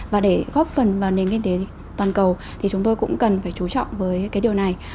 và để góp phần vào nền kinh tế toàn cầu thì chúng tôi cũng cần phải chú trọng với cái điều này